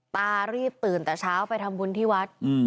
ตารีบตื่นแต่เช้าไปทำบุญที่วัด